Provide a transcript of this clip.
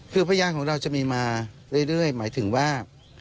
คือพยานของเราจะมีมาเรื่อยหมายถึงว่า